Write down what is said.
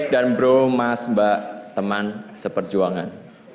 sis dan bro mas mbak teman seperjuangan